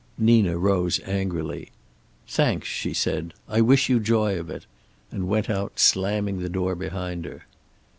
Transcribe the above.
Nina rose angrily. "Thanks," she said. "I wish you joy of it." And went out, slamming the door behind her.